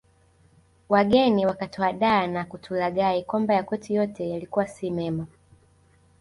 Wageni wakatuhadaa na kutulaghai kwamba ya kwetu yote yalikuwa si mema